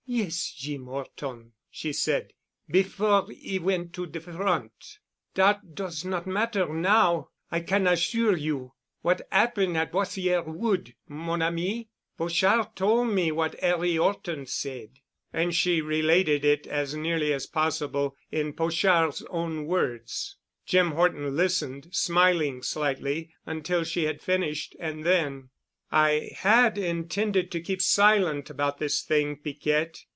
"Yes, Jeem 'Orton," she said, "before 'e went to de front. Dat does not matter now, I can assure you. What 'appen' at Boissière Wood, mon ami? Pochard tol' me what 'Arry 'Orton said——" And she related it as nearly as possible in Pochard's own words. Jim Horton listened, smiling slightly, until she had finished. And then, "I had intended to keep silent about this thing, Piquette.